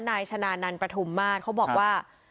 นายชนะนันปฐุมมาศเขาบอกว่า